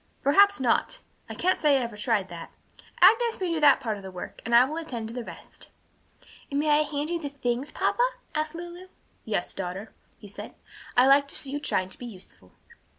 "Perhaps not. I can't say I ever tried that. Agnes may do that part of the work, and I will attend to the rest." "And may I hand you the things, papa?" asked Lulu. "Yes, daughter," he said, "I like to see you trying to be useful."